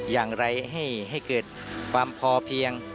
อย่างไรให้เกิดความพอเพียง